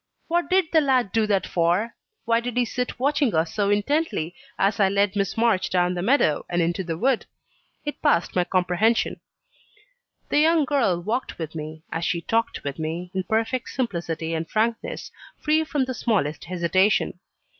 What did the lad do that for? why did he sit watching us so intently, as I led Miss March down the meadow, and into the wood? It passed my comprehension. The young girl walked with me, as she talked with me, in perfect simplicity and frankness, free from the smallest hesitation.